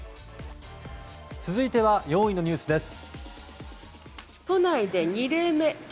続いては４位のニュースです。